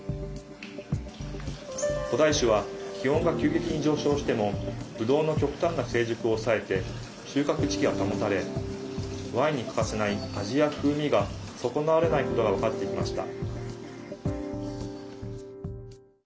古代種は気温が急激に上昇してもブドウの極端な成熟を抑えて収穫時期が保たれワインに欠かせない味や風味が損なわれないことが分かってきました。